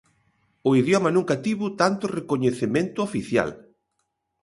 O idioma nunca tivo tanto recoñecemento oficial.